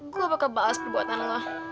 gue bakal balas perbuatan lo